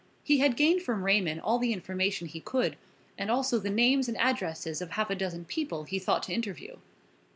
He had gained from Raymond all the information he could and also the names and addresses of half a dozen people he thought to interview.